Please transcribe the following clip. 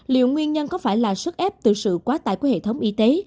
liệu nguyên nhân có phải là sức ép từ sự quá tải của hệ thống y tế